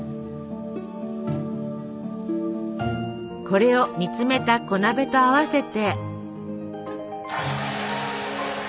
これを煮詰めた小鍋と合わせて。